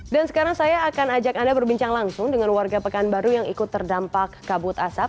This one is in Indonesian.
dan sekarang saya akan ajak anda berbincang langsung dengan warga pekanbaru yang ikut terdampak kabut asap